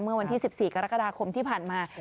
เมื่อวันที่๑๔กรกฎาคมที่ผ่านมา